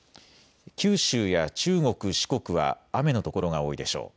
九州や中国、四国は雨の所が多いでしょう。